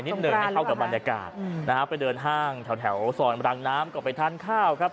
หนึ่งให้เข้ากับบรรยากาศนะฮะไปเดินห้างแถวซอยรังน้ำก็ไปทานข้าวครับ